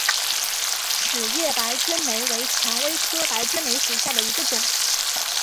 齿叶白鹃梅为蔷薇科白鹃梅属下的一个种。